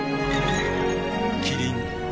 キリン「陸」